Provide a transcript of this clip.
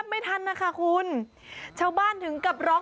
เห้ยตัวไข่ตัวบันนะโอ้ย